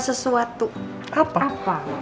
sampai jumpa lagi